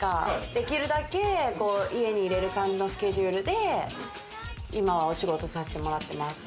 できるだけ家にいれる感じのスケジュールで今は、お仕事させてもらってます。